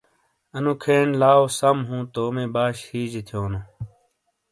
انو کھین لاؤ سَم ہُوں تومی باش ہیجے تھیونو۔